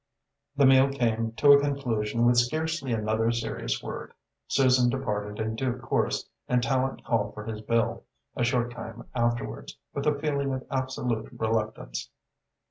The meal came to a conclusion with scarcely another serious word. Susan departed in due course, and Tallente called for his bill, a short time afterwards, with a feeling of absolute reluctance.